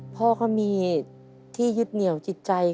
พ่อก็มีที่ยึดเหนียวจิตใจ